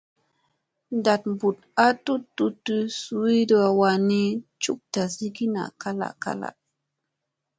Ndat mbut a tut tutta zoyna wan ni ,cuk tat ki naa ngalas ngalas.